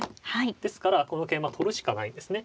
ですからこの桂馬取るしかないですね。